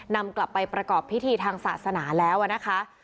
นำกลับไปประกอบพิธีทางศาสนาแล้วนะคะ